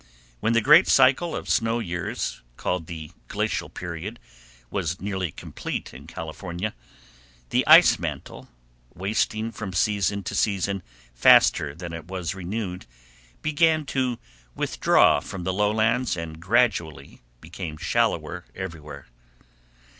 When the great cycle of snow years, called the Glacial Period, was nearly complete in California, the ice mantle, wasting from season to season faster than it was renewed, began to withdraw from the lowlands and gradually became shallower everywhere.